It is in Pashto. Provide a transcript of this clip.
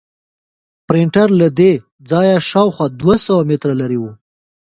پرنټر له دې ځایه شاوخوا دوه سوه متره لرې و.